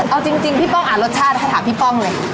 เอาจริงพี่ป้องอ่านรสชาตินะคะถามพี่ป้องเลย